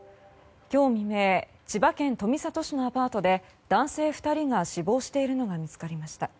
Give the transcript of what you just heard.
今日未明千葉県富里市のアパートで男性２人が死亡しているのが見つかりました。